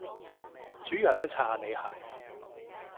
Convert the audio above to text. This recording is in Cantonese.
主要係想刷下你鞋